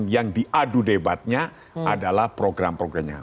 yang diadu debatnya adalah program programnya